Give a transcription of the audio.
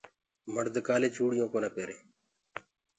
مڙد ڪآلي چوڙيونٚ ڪونآ پيري